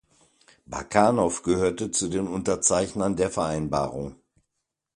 Bakanov gehörte zu den Unterzeichnern der Vereinbarung.